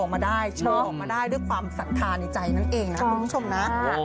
มีความศรัทธาในใจนั่นเองนะคุณผู้ชมนะ